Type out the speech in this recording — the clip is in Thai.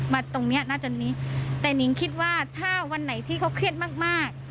มาตรงนี้น่าจะนี้แต่นิ้งคิดว่าถ้าวันไหนที่เขาเครียดมาก